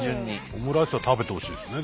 オムライスは食べてほしいですね